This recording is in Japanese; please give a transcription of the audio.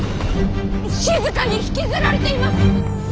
しずかに引きずられています。